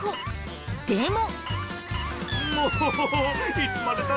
でも。